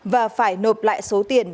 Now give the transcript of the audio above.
và phải nộp lại số tiền